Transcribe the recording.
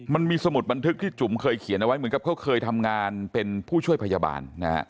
มันมีสมุดบันทึกที่จุ๋มเคยเขียนเอาไว้เหมือนกับเขาเคยทำงานเป็นผู้ช่วยพยาบาลนะฮะ